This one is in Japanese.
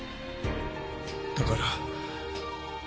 だから。